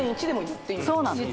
そうなんです